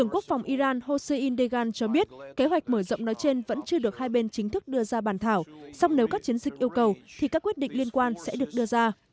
các bộ trưởng nói trên vẫn chưa được hai bên chính thức đưa ra bàn thảo song nếu các chiến dịch yêu cầu thì các quyết định liên quan sẽ được đưa ra